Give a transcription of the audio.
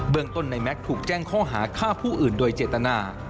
เมืองต้นในแม็กซ์ถูกแจ้งข้อหาฆ่าผู้อื่นโดยเจตนา